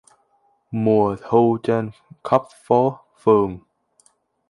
Mùa thu trên khắp phố phường